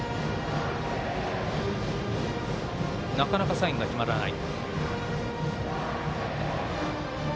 なかなかサインが決まらない。